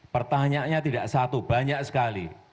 pertanyaannya tidak satu banyak sekali